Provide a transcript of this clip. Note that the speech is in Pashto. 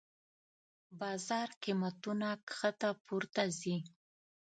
بازار قېمتونه کښته پورته ځي.